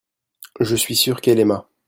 je suis sûr qu'elle aima.